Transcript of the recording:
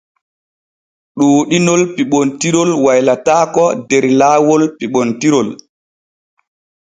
Ɗuuɗinol piɓontirol waylataako der laawol piɓontirol.